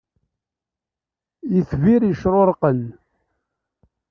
Itbir yecrurqen.